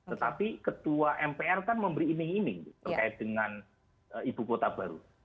tetapi ketua mpr kan memberi iming iming terkait dengan ibu kota baru